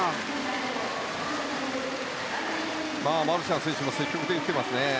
マルシャン選手も積極的に来ていますね。